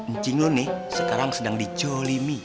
ncing lo nih sekarang sedang dizolimi